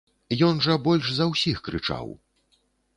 Ён жа больш за ўсіх крычаў.